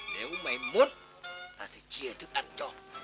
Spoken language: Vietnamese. nếu mày muốn ta sẽ chia thức ăn cho